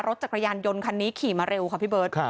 รถจักรยานยนต์คันนี้ขี่มาเร็วค่ะพี่เบิร์ต